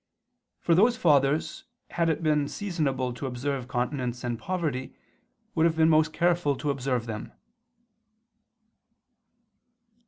For those fathers, had it been seasonable to observe continence and poverty, would have been most careful to observe them.